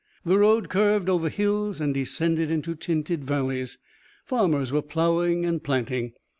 The road curved over hills and descended into tinted valleys. Farmers were ploughing and planting.